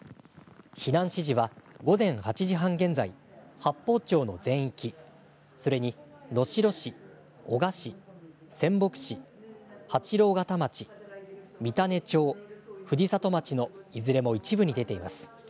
避難指示は午前８時半現在、八峰町の全域、それに能代市、男鹿市、仙北市、八郎潟町、三種町、藤里町のいずれも一部に出ています。